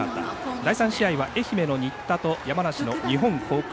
第３試合は愛媛の新田と山梨の日本航空。